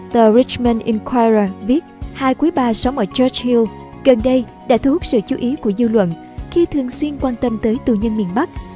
tờ richman incyre viết hai quý ba sống ở jechil gần đây đã thu hút sự chú ý của dư luận khi thường xuyên quan tâm tới tù nhân miền bắc